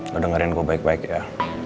lo dengerin gue baik baik ya